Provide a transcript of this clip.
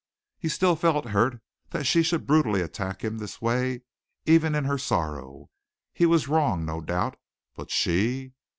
He still felt hurt that she should brutally attack him this way even in her sorrow. He was wrong, no doubt, but she?